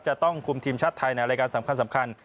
จะต้องคุมทีมชาติไทยในรายการสำคัญ